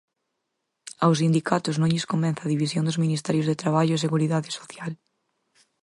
Aos sindicatos non lles convence a división dos ministerios de Traballo e Seguridade Social.